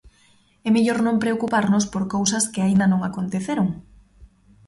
É mellor non preocuparnos por cousas que aínda non aconteceron.